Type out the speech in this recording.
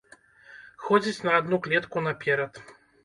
Ходзяць на адну клетку наперад.